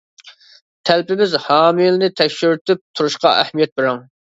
تەلىپىمىز ھامىلىنى تەكشۈرتۈپ تۇرۇشقا ئەھمىيەت بېرىڭ!